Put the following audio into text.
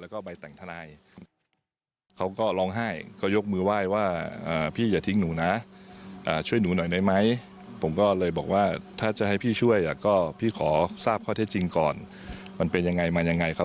ก่อนที่ตำรวจจะเข้าไปสอบปากคำแอมป์เป็นครั้งที่๓